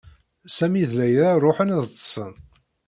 Sami d Layla ṛuḥen ad ṭṭsen.